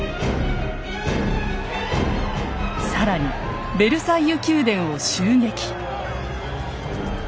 更にヴェルサイユ宮殿を襲撃。